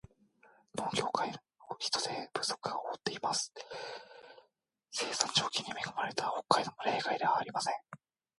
農業界を人手不足が覆っています。生産条件に恵まれた北海道も例外ではありません。